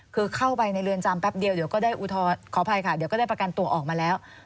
คือเข้าไปในเรือนจำแป๊บเดียวเดี๋ยวก็ได้อุทธรณ์ขออภัยค่ะเดี๋ยวก็ได้ประกันตัวออกมาแล้ว